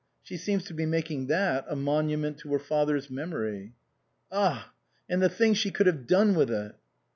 She seems to be making that a monu ment to her father's memory." " Ah ! and the things she could have done with it."